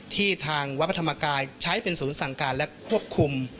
ทางวัดพระธรรมกายใช้เป็นศูนย์สั่งการและควบคุม